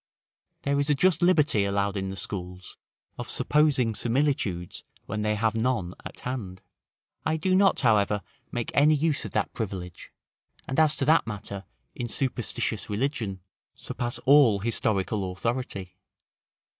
There is a just liberty allowed in the schools, of supposing similitudes, when they have none at hand. I do not, however, make any use of that privilege, and as to that matter, in superstitious religion, surpass all historical authority.